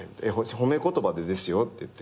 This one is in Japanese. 褒め言葉でですよ？って言って。